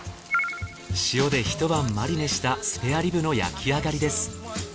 塩でひと晩マリネしたスペアリブの焼き上がりです。